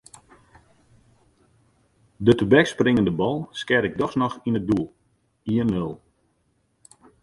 De tebekspringende bal skeat ik dochs noch yn it doel: ien-nul.